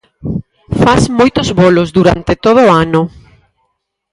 Fas moitos bolos durante todo o ano.